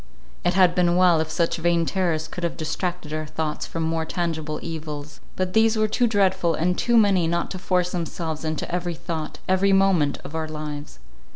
It had been well, if such vain terrors could have distracted our thoughts from more tangible evils. But these were too dreadful and too many not to force themselves into every thought, every moment, of our lives.